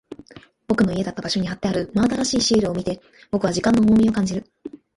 僕の家だった場所に貼ってある真新しいシールを見て、僕は時間の重みを感じる。